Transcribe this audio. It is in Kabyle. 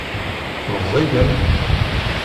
Meẓẓiyem?